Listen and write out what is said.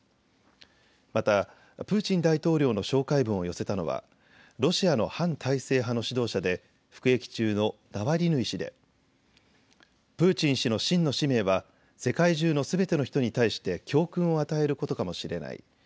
またプーチン大統領の紹介文を寄せたのはロシアの反体制派の指導者で服役中のナワリヌイ氏でプーチン氏の真の使命は世界中のすべての人に対して教訓を与えることかもしれない。